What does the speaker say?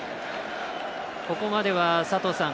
ここまでは佐藤さん